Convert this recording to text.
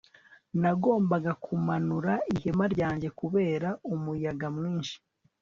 nagombaga kumanura ihema ryanjye kubera umuyaga mwinshi